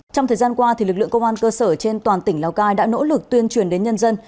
trong thời gian qua lực lượng công an cơ sở trên toàn tỉnh lào cai đã nỗ lực tuyên truyền đến nhân dân